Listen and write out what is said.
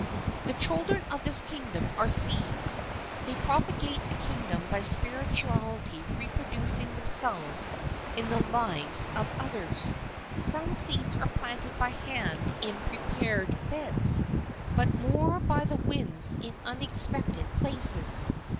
The children of this kingdom are seeds. They propagate the kingdom by spiritually re producing themselves in the lives of others. Some seeds are planted by hand in prepared beds; but more by the winds in unexpected places.